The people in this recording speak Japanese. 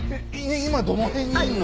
今どの辺にいんの？